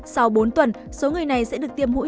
sau bốn tuần số người này sẽ được tiêm mũi hai